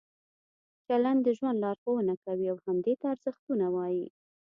چلند د ژوند لارښوونه کوي او همدې ته ارزښتونه وایي.